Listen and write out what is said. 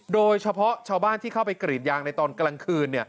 โดยเฉพาะชาวบ้านที่เข้าไปกรีดยางในตอนกลางคืน